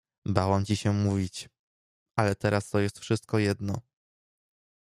— Bałam ci się mówić, ale teraz to jest wszystko jedno.